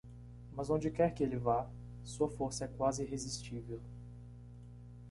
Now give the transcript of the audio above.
Mas onde quer que ele vá, sua força é quase irresistível.